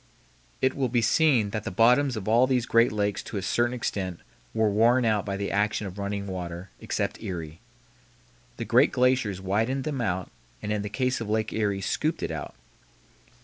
It will be seen that the bottoms of all of these great lakes to a certain extent were worn out by the action of running water, except Erie. The great glaciers widened them out, and in the case of Lake Erie scooped it out.